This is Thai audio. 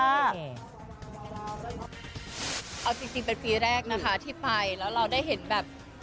เอาจริงเป็นปีแรกนะคะที่ไปแล้วเราได้เห็นแบบ